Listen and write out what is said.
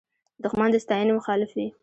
دښمن د ستاینې مخالف وي